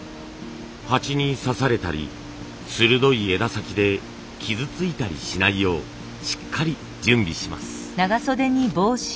蜂に刺されたり鋭い枝先で傷ついたりしないようしっかり準備します。